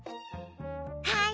はい。